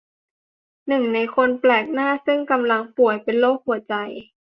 หนึ่งในคนแปลกหน้าซึ่งกำลังป่วยเป็นโรคหัวใจ